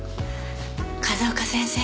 風丘先生